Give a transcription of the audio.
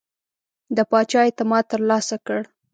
د پاچا اعتماد ترلاسه کړ.